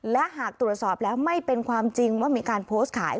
และหากตรวจสอบแล้วไม่เป็นความจริงว่ามีการโพสต์ขาย